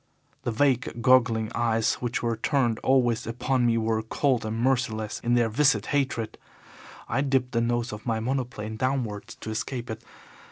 The vague, goggling eyes which were turned always upon me were cold and merciless in their viscid hatred. I dipped the nose of my monoplane downwards to escape it.